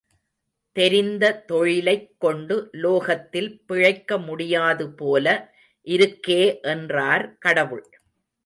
தெரிந்த தொழிலைக் கொண்டு லோகத்தில் பிழைக்க முடியாது போல இருக்கே என்றார் கடவுள்.